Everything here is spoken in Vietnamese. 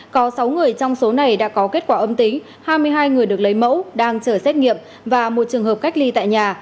có sáu người trong số này đã có kết quả âm tính hai mươi hai người được lấy mẫu đang chờ xét nghiệm và một trường hợp cách ly tại nhà